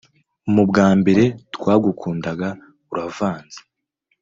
mubwa mbere twagukundaga uravanze